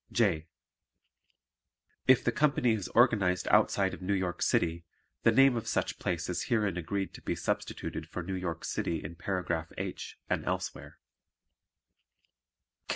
J. If the company is organized outside of New York City, the name of such place is herein agreed to be substituted for New York City in Paragraph H, and elsewhere.